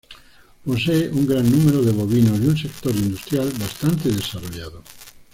Posee un gran número de bovinos y un sector industrial bastante desarrollado.